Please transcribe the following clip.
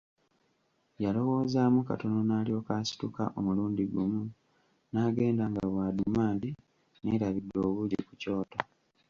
Yeelowoozaamu katono n’alyoka asituka omulundi gumu n’agenda nga bw’adduma nti, “Neerabidde obuugi ku kyoto!